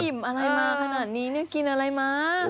นี่อิ่มอะไรมากขนาดนี้นี่กินอะไรมาก